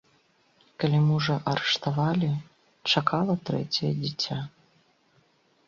Калі мужа арыштавалі, чакала трэцяе дзіця.